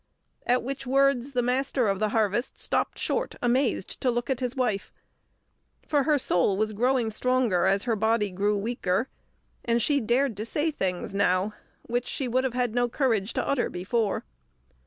At which words the Master of the Harvest stopped short, amazed, to look at his wife, for her soul was growing stronger as her body grew weaker, and she dared to say things now which she would have had no courage to utter before.